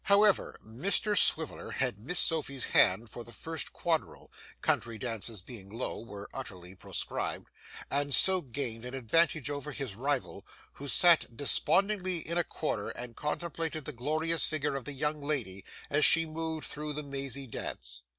However, Mr Swiveller had Miss Sophy's hand for the first quadrille (country dances being low, were utterly proscribed) and so gained an advantage over his rival, who sat despondingly in a corner and contemplated the glorious figure of the young lady as she moved through the mazy dance.